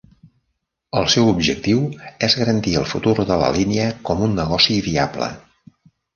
El seu objectiu és garantir el futur de la línia com un negoci viable.